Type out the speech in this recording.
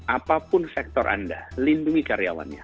apapun sektor anda lindungi karyawannya